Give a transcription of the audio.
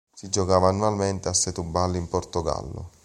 Si giocava annualmente a Setúbal in Portogallo.